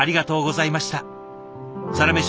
「サラメシ」